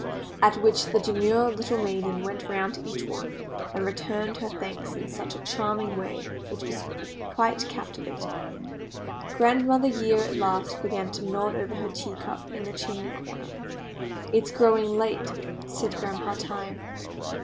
At which the demure little maiden went round to each one, and returned her thanks in such a charming way it was quite captivating. Grandmother Year at last began to nod over her teacup in the chimney corner. "It is growing late," said Grandpa Time.